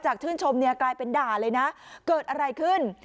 ชื่นชมเนี่ยกลายเป็นด่าเลยนะเกิดอะไรขึ้น